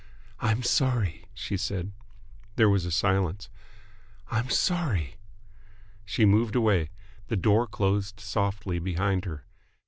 "I'm sorry," she said. There was a silence. "I'm sorry!" She moved away. The door closed softly behind her.